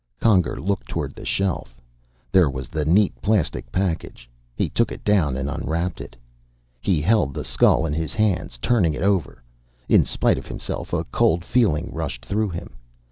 Conger looked toward the shelf. There was the neat plastic package. He took it down and unwrapped it. He held the skull in his hands, turning it over. In spite of himself, a cold feeling rushed through him.